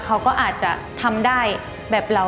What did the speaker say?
เขาก็อาจจะทำได้แบบเรา